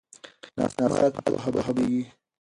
ناسم حالات په پوهه بدلیږي.